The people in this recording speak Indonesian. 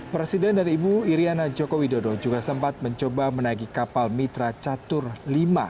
presiden dan ibu iryana joko widodo juga sempat mencoba menaiki kapal mitra catur lima